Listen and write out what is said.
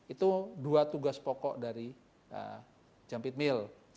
itu dua tugas pokok dari jampit mill